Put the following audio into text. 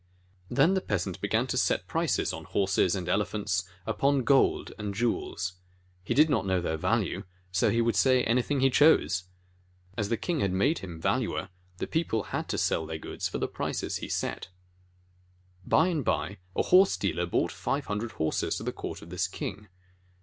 Then the peasant began to set the prices on horses 34 THE MEASURE OF RICE So they went before the king. and elephants, upon gold and jewels. He did not know their value, so he would say anything he chose. As the king had made him Valuer, the people had to sell their goods for the price he set. By and by a horse dealer brought five hundred horses to the court of this king.